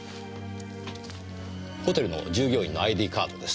ホテルの従業員のＩＤカードです。